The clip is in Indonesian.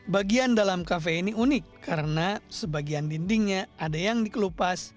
bagian dalam kafe ini unik karena sebagian dindingnya ada yang dikelupas